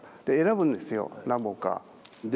で選ぶんですよ何本か。